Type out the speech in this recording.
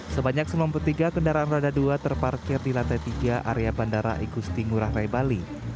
sebenarnya kondisi kendaraan rada dua terparkir di latai tiga area bandara igusti ngurah rai bali